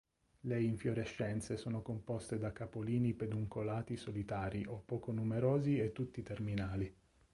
Le infiorescenze sono composte da capolini peduncolati solitari o poco numerosi e tutti terminali.